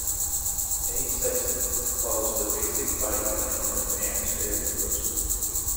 "A. sexdens" follows the basic body plan of ants fairly closely.